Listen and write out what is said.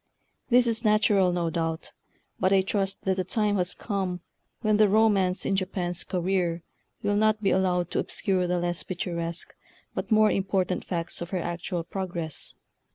This is natural, no doubt; but I trust that the time has come when the romance in Japan's career will not be allowed to obscure the less pictu resque but more important facts of her actual progress.